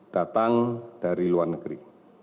datang dari luar negeri